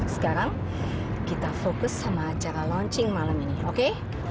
sekarang kita fokus sama acara launching malam ini oke